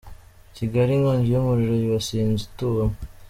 Kigali : Inkongi y’umuriro yibasiye inzu ituwemo.